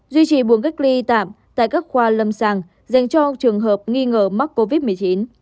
duy trì buồng cách ly tạm tại các khoa lâm sàng dành cho trường hợp nghi ngờ mắc covid một mươi chín